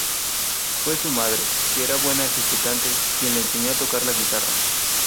Fue su madre, que era buena ejecutante, quien le enseñó a tocar la guitarra.